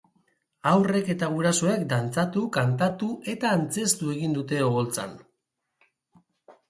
Haurrek eta gurasoek dantzatu, kantatu eta antzeztu egin dute oholtzan.